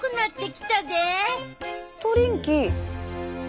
トリンキー。